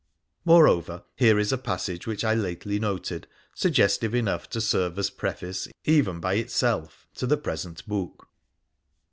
Moreover, here is a passage which I lately noted, suggestive enough to serve as preface, even by itself, to the present book.